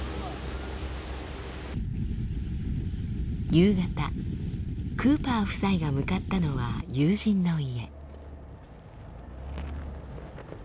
夕方クーパー夫妻が向かったのは友人の家。